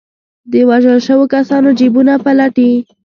د وژل شوو کسانو جېبونه پلټي.